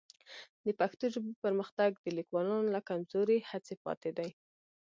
د پښتو ژبې پرمختګ د لیکوالانو له کمزورې هڅې پاتې دی.